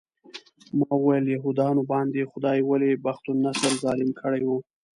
ما وویل یهودانو باندې خدای ولې بخت النصر ظالم کړی و.